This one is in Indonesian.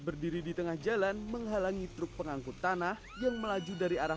berdiri di tengah jalan menghalangi truk pengangkut tanah yang melaju dari arah